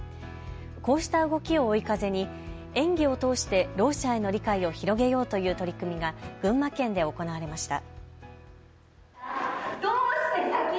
こうした動きを追い風に演技を通してろう者への理解を広げようという取り組みが群馬県で行われました。